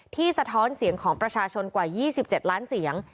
สะท้อนเสียงของประชาชนกว่า๒๗ล้านเสียง